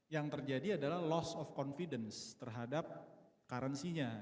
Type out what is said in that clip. yang terjadi adalah loss of confidence terhadap currency nya